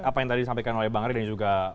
apa yang tadi disampaikan oleh bang ari dan juga